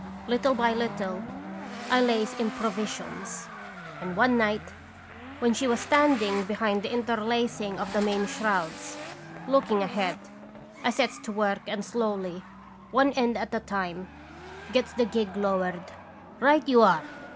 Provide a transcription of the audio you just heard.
Little by little, I lays in provisions, and one night when she was standing behind the interlacing Qt <5radons Visitation. 175 of the main shrouds, looking ahead, I sets to work and slowly, one end at a time, gets the gig lowered. Right you are